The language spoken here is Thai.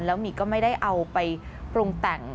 แล้วมีก็ไม่ได้เอาไปปรุงแต่ง